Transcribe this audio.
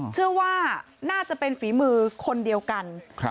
เชื่อว่าน่าจะเป็นฝีมือคนเดียวกัน